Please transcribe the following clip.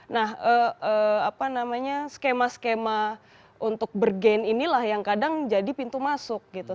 nah apa namanya skema skema untuk bergen inilah yang kadang jadi pintu masuk gitu